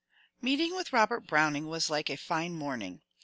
Meeting with Robert Browning was like a fine morning.